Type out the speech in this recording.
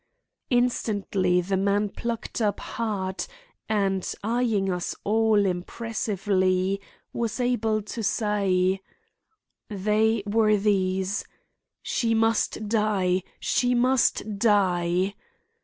Instantly the man plucked up heart and, eying us all impressively, was able to say: "They were these: 'She must die! _she must die!